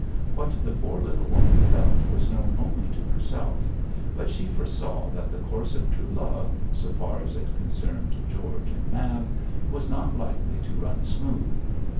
What the poor little woman felt was known only to herself; but she foresaw that the course of true love, so far as it concerned George and Mab, was not likely to run smooth.